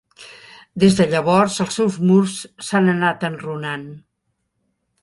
Des de llavors els seus murs s'han anat enrunant.